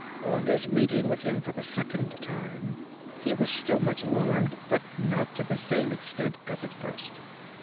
On his meeting with him for the second time, he was still much alarmed, but not to the same extent as at first.